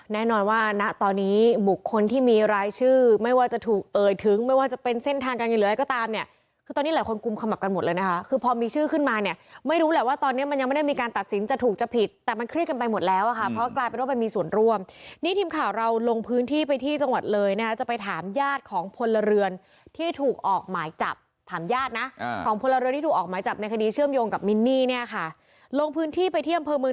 แน่นอนว่านะตอนนี้บุคคลที่มีรายชื่อไม่ว่าจะถูกเอ่ยถึงไม่ว่าจะเป็นเส้นทางกันหรืออะไรก็ตามเนี้ยคือตอนนี้หลายคนกุมขมับกันหมดเลยนะคะคือพอมีชื่อขึ้นมาเนี้ยไม่รู้แหละว่าตอนเนี้ยมันยังไม่ได้มีการตัดสินจะถูกจะผิดแต่มันเครียดกันไปหมดแล้วอะค่ะเพราะกลายเป็นว่ามีส่วนร่วมนี่ทีมข่าวเราลงพื้นท